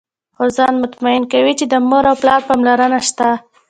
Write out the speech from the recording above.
خو ځان مطمئن کوي چې د مور او پلار پاملرنه شته.